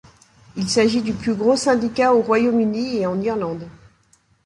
Il s'agit du plus gros syndicat au Royaume-Uni et en Irlande.